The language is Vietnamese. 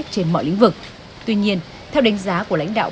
trên mọi lĩnh vực tuy nhiên theo đánh giá của lãnh đạo